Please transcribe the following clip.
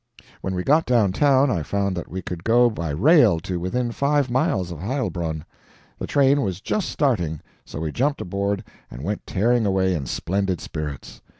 When we got downtown I found that we could go by rail to within five miles of Heilbronn. The train was just starting, so we jumped aboard and went tearing away in splendid spirits.